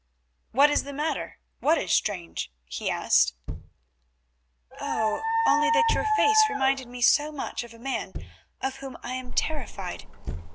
"What is the matter? What is strange?" he asked. "Oh!—only that your face reminded me so much of a man of whom I am terrified.